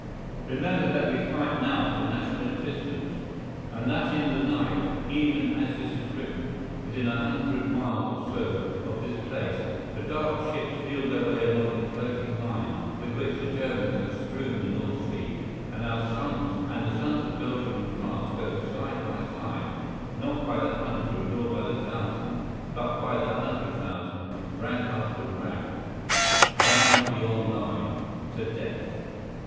Remember that we fight now for national existence, and that in the night, even as this is written, within a hundred miles or so of this place, the dark ships feel their way among the floating mines with which the Germans have strewn the North Sea, and our sons and the sons of Belgium and France go side by side, not by the hundred nor by the thousand, but by the hundred thousand, rank after rank, line beyond line—to death.